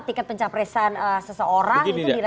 tiket pencapresan seseorang